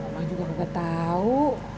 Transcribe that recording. mak juga nggak tahu